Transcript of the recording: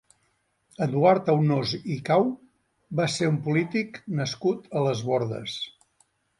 Eduard Aunós i Cau va ser un polític nascut a Les Bordes.